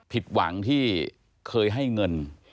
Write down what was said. ผิดหวังที่เคยให้เงิน